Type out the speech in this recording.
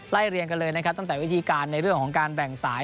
ไล่เรียนกันเลยตั้งแต่วิธีการในเรื่องของการแบ่งสาย